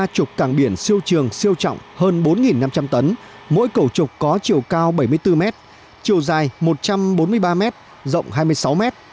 ba mươi cảng biển siêu trường siêu trọng hơn bốn năm trăm linh tấn mỗi cầu trục có chiều cao bảy mươi bốn mét chiều dài một trăm bốn mươi ba m rộng hai mươi sáu mét